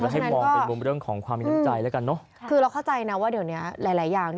ให้มองเป็นมุมเรื่องของความมีน้ำใจแล้วกันเนอะคือเราเข้าใจนะว่าเดี๋ยวเนี้ยหลายหลายอย่าง